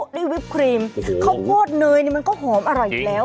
นี่วิปครีมข้าวโพดเนยนี่มันก็หอมอร่อยอยู่แล้ว